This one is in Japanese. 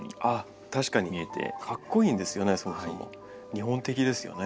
日本的ですよね。